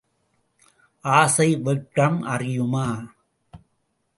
ஆசை வெட்கம் அறியுமா?